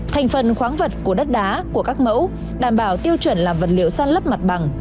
thành phần khoáng vật của đất đá của các mẫu đảm bảo tiêu chuẩn làm vật liệu san lấp mặt bằng